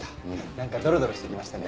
なんかドロドロしてきましたね。